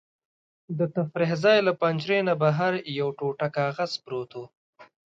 د تفریح ځای له پنجرې نه بهر یو ټوټه کاغذ پروت و.